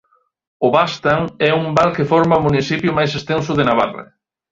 O Baztan é un val que forma o municipio máis extenso de Navarra.